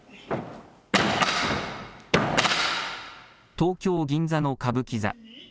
東京・銀座の歌舞伎座。